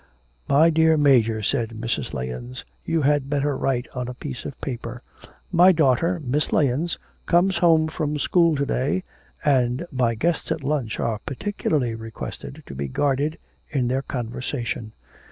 'My dear Major,' said Mrs. Lahens, 'you had better write on a piece of paper "My daughter, Miss Lahens, comes home from school to day, and my guests at lunch are particularly requested to be guarded in their conversation."